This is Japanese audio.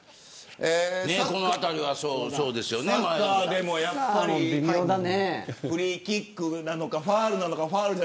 サッカーでもやっぱりフリーキックなのかファウルなのか